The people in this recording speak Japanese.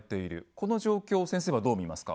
この状況を先生はどう見ますか？